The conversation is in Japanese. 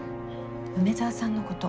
梅沢さんのこと。